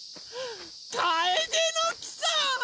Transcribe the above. カエデの木さん！